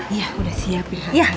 iya udah siap